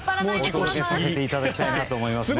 お届けさせていただきたいなと思います。